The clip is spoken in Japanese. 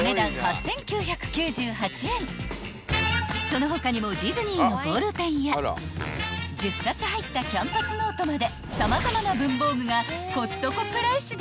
［その他にもディズニーのボールペンや１０冊入ったキャンパスノートまで様々な文房具がコストコプライスで販売］